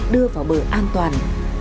đưa vào bờ an toàn